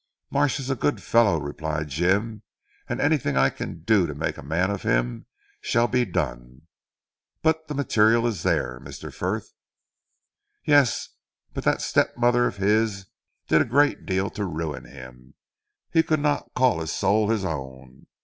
"Marsh is a good fellow," replied Jim, "and anything I can do to make a man of him shall be done. But the material is there, Mr. Frith." "Yes! But that step mother of his did a great deal to ruin him. He could not call his soul his own.